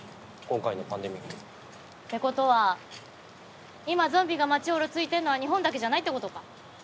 今回のパンデミック。ってことは今ゾンビが町をうろついてんのは日本だけじゃないってことか。